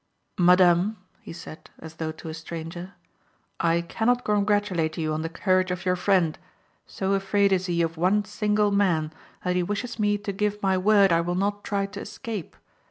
"Madame," he said, as though to a stranger, "I cannot congratulate you on the courage of your friend. So afraid is he of one single man that he wishes me to give my word I will not try to escape.